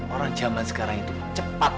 orang zaman sekarang itu cepat